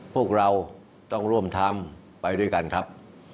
พวกเราต้องร่วมทำไปด้วยกันครับ